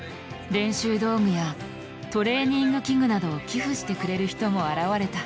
練習道具やトレーニング器具などを寄付してくれる人も現れた。